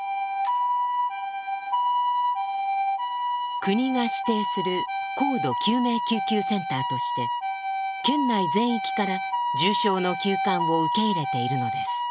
国が指定する高度救命救急センターとして県内全域から重症の急患を受け入れているのです。